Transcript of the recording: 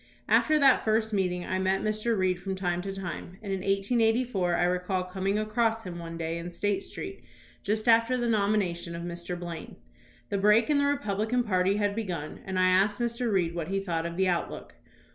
After that first meeting, I met Mr. Reed from time to time, and in 1884 I recall coming across him one day in State Street just after the nomination of Mr. Blaine. The break in the Republican party had begun, and I asked Mr. Reed what he thought of the outlook.